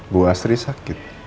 bu astri sakit